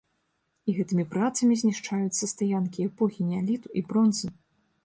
І гэтымі працамі знішчаюцца стаянкі эпохі неаліту і бронзы!